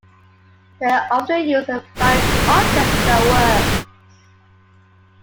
They often used found objects in their works.